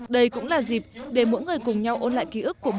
đây cũng là dịp để mỗi người cùng nhau ôn lại ký ức quả